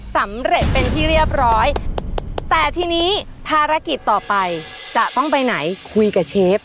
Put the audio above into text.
สำเร็จเป็นที่เรียบร้อยแต่ทีนี้ภารกิจต่อไปจะต้องไปไหนคุยกับเชฟ